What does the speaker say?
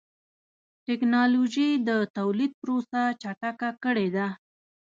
ټکنالوجي د تولید پروسه چټکه کړې ده.